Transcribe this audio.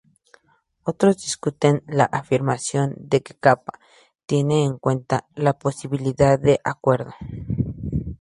Otros discuten la afirmación de que kappa "tiene en cuenta" la posibilidad de acuerdo.